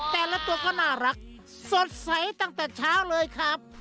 แต่ละตัวก็น่ารักสดใสตั้งแต่เช้าเลยครับ